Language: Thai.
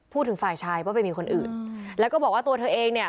ฝ่ายชายว่าไปมีคนอื่นแล้วก็บอกว่าตัวเธอเองเนี่ย